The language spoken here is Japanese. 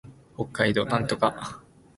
北海道芦別市